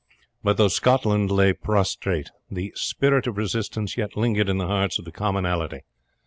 But though Scotland lay prostrate, the spirit of resistance yet lingered in the hearts of the commonalty.